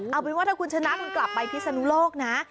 เอาเป็นว่าถ้าคุณชนะคุณกลับไปพิศนุโลกนะ